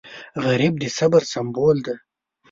غریب د صبر سمبول دی